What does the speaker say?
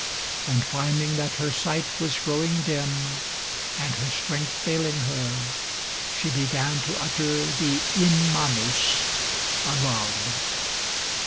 And finding that her sight was growing dim and her strength failing her, she began to utter the "In manus" aloud.